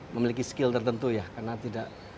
memiliki skill tertentu ya karena tidak